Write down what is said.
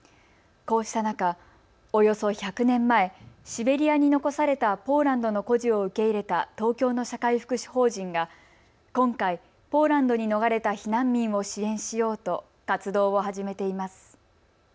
こうした中、およそ１００年前、シベリアに残されたポーランドの孤児を受け入れた東京の社会福祉法人が今回、ポーランドに逃れた避難民を支援しようと活動を始めています。